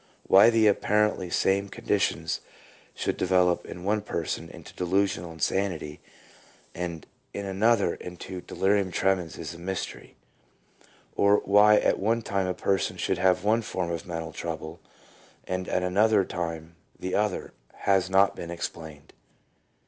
Why the ap parently same conditions should develop in one person into delusional insanity, and in another into delirium tremens is a mystery ; or why at one time a person should have one form of mental trouble and at another time the other, has not been explained.